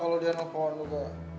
kalau dia nelfon juga